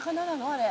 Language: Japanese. あれ。